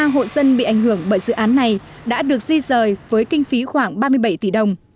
ba mươi hộ dân bị ảnh hưởng bởi dự án này đã được di rời với kinh phí khoảng ba mươi bảy tỷ đồng